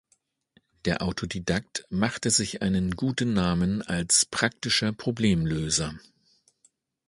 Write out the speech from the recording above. Der Autodidakt machte sich einen guten Namen als praktischer Problemlöser.